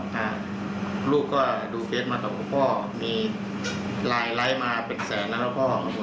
ให้ลูกก็ดูเฟสมาตรกับพ่อมีไลน์ไล่มาเป็นแสนแล้วพ่อ